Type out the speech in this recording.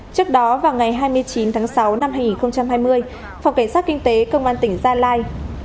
trước đó vào ngày hai mươi chín tháng sáu năm hai nghìn hai mươi phòng cảnh sát kinh tế công an tỉnh gia lai